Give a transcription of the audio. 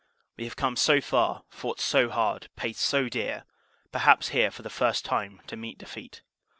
We have come so far, fought so hard, paid so dear, perhaps here for the first time to meet defeat.